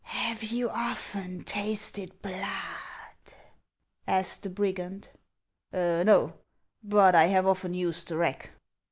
" Have you often tasted blood ?" asked the brigand. " Xo ; but I have often used the rack."